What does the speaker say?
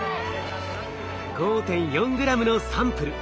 ５．４グラムのサンプル